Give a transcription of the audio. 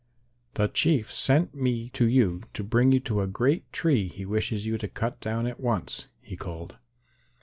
"The Chief sent me to you to bring you to a great tree he wishes you to cut down at once," he called.